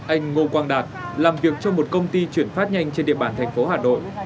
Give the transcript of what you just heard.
anh ngô quang đạt làm việc trong một công ty chuyển phát nhanh trên địa bàn thành phố hà nội